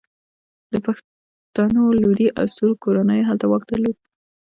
د پښتنو لودي او سور کورنیو هلته واک درلود.